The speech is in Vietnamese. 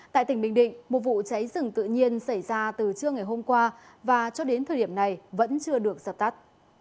tại tỉnh bình định một vụ cháy rừng tự nhiên xảy ra từ trưa ngày hôm qua và cho đến thời điểm này vẫn chưa được dập tắt